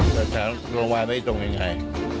สถานการณ์ไม่ตรงยังไง